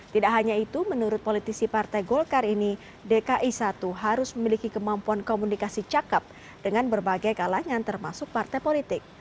tidak hanya itu menurut politisi partai golkar ini dki satu harus memiliki kemampuan komunikasi cakep dengan berbagai kalangan termasuk partai politik